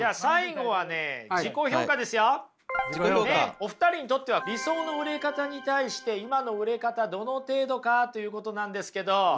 お二人にとっては理想の売れ方に対して今の売れ方どの程度かということなんですけど。